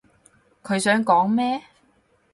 佢想講咩？